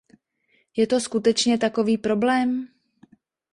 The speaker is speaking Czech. Je to skutečně takový problém?